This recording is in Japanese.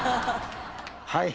はい。